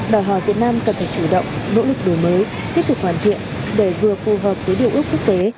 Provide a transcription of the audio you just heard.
đòi hỏi việt nam cần phải chủ động nỗ lực đổi mới tiếp tục hoàn thiện để vừa phù hợp với điều ước quốc tế